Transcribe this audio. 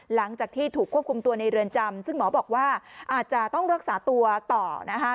หลังจากที่ถูกควบคุมตัวในเรือนจำซึ่งหมอบอกว่าอาจจะต้องรักษาตัวต่อนะคะ